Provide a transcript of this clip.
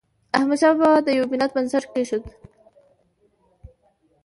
احمد شاه بابا د یو ملت بنسټ کېښود.